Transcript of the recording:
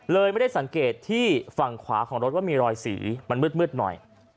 ไม่ได้สังเกตที่ฝั่งขวาของรถว่ามีรอยสีมันมืดหน่อย